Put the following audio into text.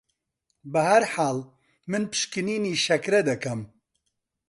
بە هەرحاڵ من پشکنینی شەکرە دەکەم